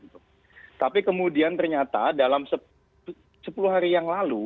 tapi kemudian ternyata dalam sepuluh hari yang lalu